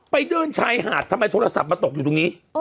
เดินชายหาดทำไมโทรศัพท์มาตกอยู่ตรงนี้